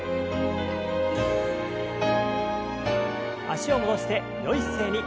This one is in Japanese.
脚を戻してよい姿勢に。